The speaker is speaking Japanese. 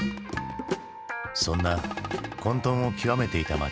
そんな混とんを極めていた街